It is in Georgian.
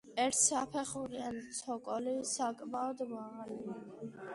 ერთსაფეხურიანი ცოკოლი საკმაოდ მაღალია.